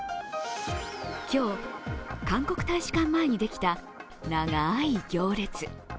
今日、韓国大使館の前にできた長い行列。